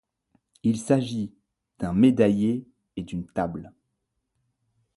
Il s'agit d'un médailler et d'une table.